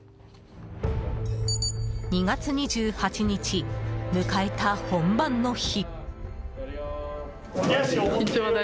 ２月２８日、迎えた本番の日。